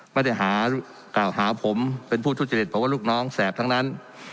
ไม่ได้หากล่าวหาผมเป็นผู้ทุจริตเพราะว่าลูกน้องแสบทั้งนั้น